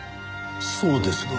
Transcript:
そうですが？